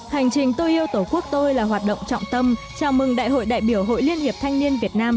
hành trình tôi yêu tổ quốc tôi là hoạt động trọng tâm chào mừng đại hội đại biểu hội liên hiệp thanh niên việt nam